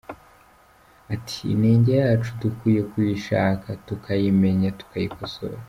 Ati “Inenge yacu dukwiye kuyishaka tukayimenya tukayikosora.